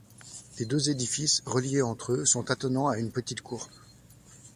Les deux édifices, reliés entre eux, sont attenants à une petite cour.